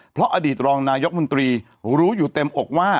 เพราะอดีตรองนายกมนตรีรู้อยู่เต็มอกว่า